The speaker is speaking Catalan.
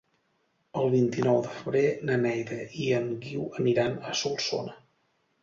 El vint-i-nou de febrer na Neida i en Guiu aniran a Solsona.